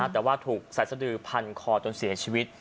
แต่ว่าถูกสายสดือพันคอจนเสียชีวิต